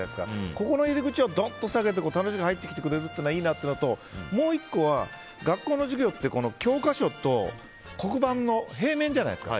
ここの入り口を下げて、楽しく入ってきてくれるというのはいいなっていうのともう１個は学校の授業って教科書と黒板の平面じゃないですか。